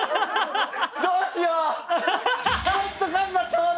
どうしよう！